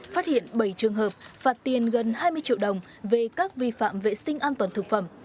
phát hiện bảy trường hợp phạt tiền gần hai mươi triệu đồng về các vi phạm vệ sinh an toàn thực phẩm